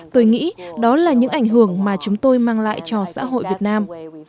tôi nghĩ đó là những ảnh hưởng mà chúng tôi mang lại cho xã hội việt nam